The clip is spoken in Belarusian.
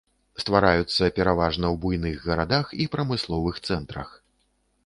Ствараюцца пераважна ў буйных гарадах і прамысловых цэнтрах.